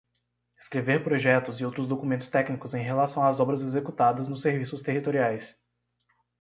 Escrever projetos e outros documentos técnicos em relação às obras executadas nos serviços territoriais.